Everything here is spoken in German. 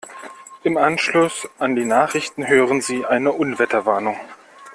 Im Anschluss an die Nachrichten hören Sie eine Unwetterwarnung.